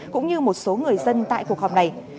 cũng như một số người dân tại cuộc họp này